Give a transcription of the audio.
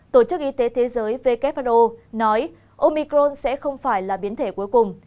tổ chức y tế thế giới who nói omicron sẽ không phải là biến thể cuối cùng